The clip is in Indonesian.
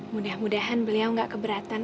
mudah mudahan beliau gak keberatan